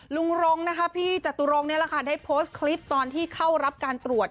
ลุงรงจตุรงได้โพสต์คลิปตอนที่เข้ารับการตรวจ